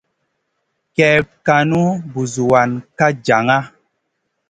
Kèwn kànu, buzuwan ka jaŋa.